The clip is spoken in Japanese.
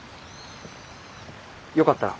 よかったら。